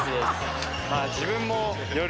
自分も夜。